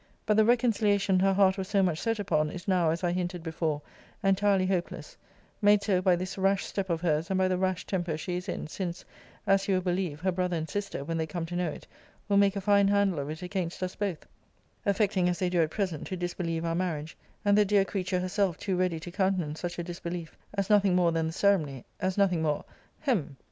But the reconciliation her heart was so much set upon, is now, as I hinted before, entirely hopeless made so, by this rash step of her's, and by the rash temper she is in; since (as you will believe) her brother and sister, when they come to know it, will make a fine handle of it against us both; affecting, as they do at present, to disbelieve our marriage and the dear creature herself too ready to countenance such a disbelief as nothing more than the ceremony as nothing more hem!